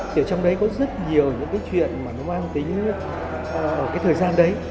thì ở trong đấy có rất nhiều những cái chuyện mà nó mang tới những cái thời gian đấy